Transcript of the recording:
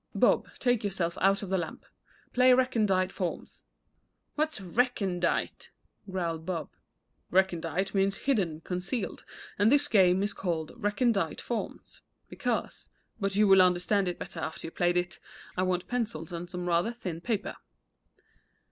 Bob, take yourself out of the lamp. Play 'Recondite Forms.'" "What's recondite?" growled Bob. "Recondite means hidden, concealed, and this game is called 'Recondite Forms' because But you will understand it better after you have played it. I want pencils and some rather thin paper."